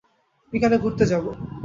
বিকালে ঘুরতে যাবো।